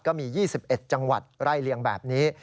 ก็มี๒๑จังหวัดไล่เลียงแบบนี้